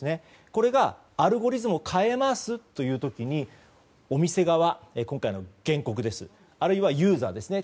これがアルゴリズムを変えますという時にお店側、今回の原告あるいはユーザーですね